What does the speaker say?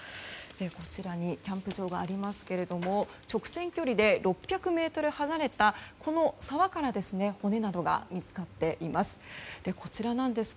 こちらにキャンプ場がありますけれども直線距離で６００ｍ離れたこの沢から骨などが見つかっています。